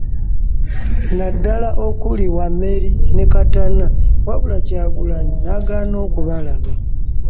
Naddala okuli Wameri ne Katana wabula Kyagulanyi n'agaana okubalaba.